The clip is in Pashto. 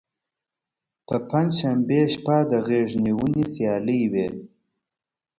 په پنجشنبې شپه د غیږ نیونې سیالۍ وي.